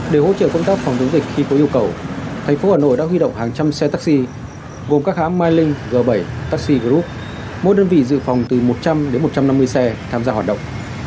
để hỗ trợ công tác phòng chống dịch khi có yêu cầu thành phố hà nội đã huy động hàng trăm xe taxi gồm các hãng mai linh g bảy taxi group mỗi đơn vị dự phòng từ một trăm linh đến một trăm năm mươi xe tham gia hoạt động